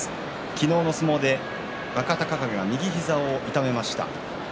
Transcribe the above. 昨日の相撲で若隆景が右膝を痛めました。